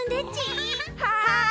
はい。